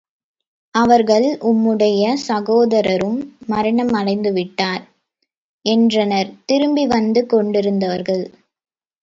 அவர்கள், உம்முடைய சகோதரரும் மரணம் அடைந்துவிட்டார்! என்றனர் திரும்பி வந்து கொண்டிருந்தவர்கள்.